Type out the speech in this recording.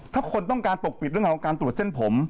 ถ้าคนต้องการปกปิดเรื่องของการตรวจเส้นผม